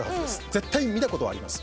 絶対、見たことはあります。